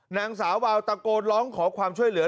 นางสาวาวตะโกนร้องขอความช่วยเหลือ